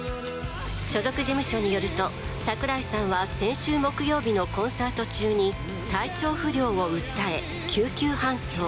所属事務所によると櫻井さんは先週木曜日のコンサート中に体調不良を訴え救急搬送。